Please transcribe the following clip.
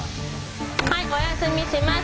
はいおやすみします。